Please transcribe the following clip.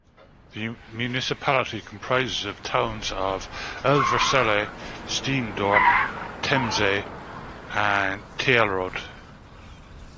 The municipality comprises the towns of Elversele, Steendorp, Temse and Tielrode.